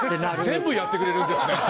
全部やってくれるんですね。